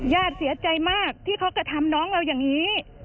ญาติเสียใจมากที่เขากระทำน้องเราอย่างนี้